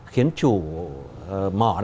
khiến chủ mỏ